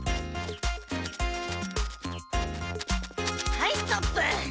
はいストップ！